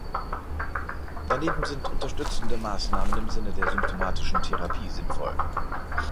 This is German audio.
Daneben sind unterstützende Maßnahmen im Sinne der symptomatischen Therapie sinnvoll.